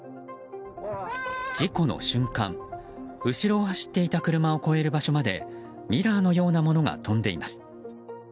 事故の瞬間、後ろを走っていた車を超える場所までミラーのようなものが飛んでいます。